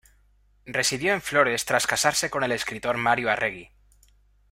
Residió en Flores tras casarse con el escritor Mario Arregui.